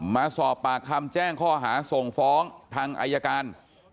มาสอบปากคำแจ้งข้อหาส่งฟ้องทางอายการ